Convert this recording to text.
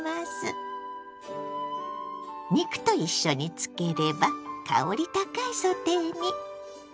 肉と一緒に漬ければ香り高いソテーに。